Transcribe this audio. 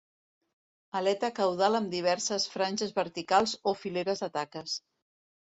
Aleta caudal amb diverses franges verticals o fileres de taques.